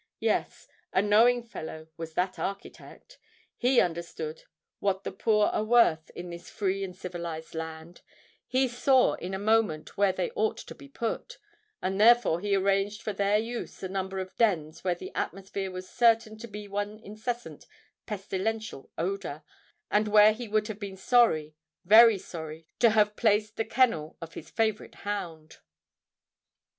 Yes—a knowing fellow was that architect! He understood what the poor are worth in this free and civilised land,—he saw in a moment where they ought to be put;—and therefore he arranged for their use a number of dens where the atmosphere was certain to be one incessant pestilential odour; and where he would have been sorry,—very sorry to have placed the kennel of his favourite hound!